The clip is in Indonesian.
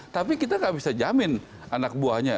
tapi kita nggak bisa jamin anak buahnya